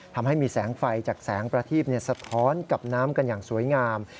ทำให้มีแสงไฟจากแสงประทีบสะท้อนกับน้ำกันอย่างสวยงาม